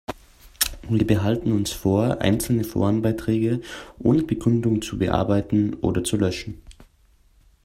Wir behalten uns vor, einzelne Forenbeiträge ohne Begründung zu bearbeiten oder zu löschen.